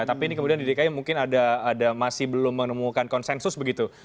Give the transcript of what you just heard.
tapi ini kemudian di dki mungkin ada masih belum menemukan konsensus begitu